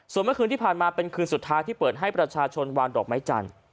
ส่วนเมื่อคืนที่ผ่านมาเป็นคืนสุดท้ายที่เปิดให้ประชาชนวางดอกไม้จันทร์